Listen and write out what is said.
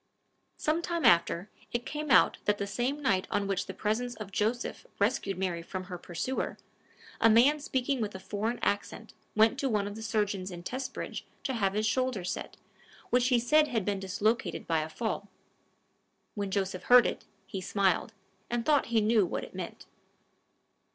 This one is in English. Some time after, it came out that the same night on which the presence of Joseph rescued Mary from her pursuer, a man speaking with a foreign accent went to one of the surgeons in Testbridge to have his shoulder set, which he said had been dislocated by a fall. When Joseph heard it, he smiled, and thought he knew what it meant.